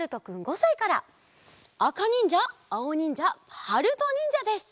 あかにんじゃあおにんじゃはるとにんじゃです！